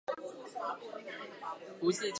不是接案的喔